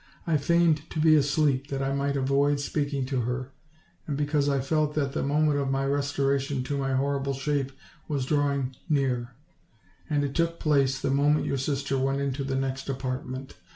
I feigned to be asleep, that I might avoid speaking to her, and because I felt that the mo ment of my restoration to my horrible shape was drawing near; and it took place the moment your sister went into the next apartment.